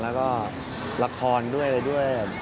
แล้วก็ละครด้วย